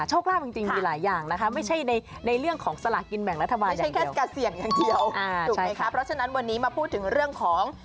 หมายถึงเอาที่กั้นออก